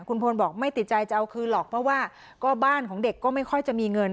คุณพลบอกไม่ติดใจจะเอาคืนหรอกเพราะว่าก็บ้านของเด็กก็ไม่ค่อยจะมีเงิน